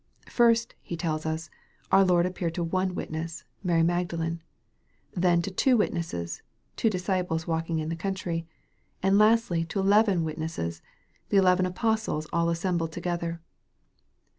First, he tells us, our Lord appeared to one witness, Mary Magdalene then to two witnesses, two disciples walking into the country and lastly to eleven witnesses, the eleven apostles all assembled to gether.